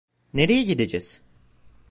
Nereye gideceğiz?